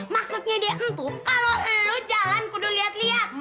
maksudnya dia empuk kalau lo jalan kudu lihat lihat